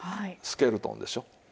スケルトンでしょう。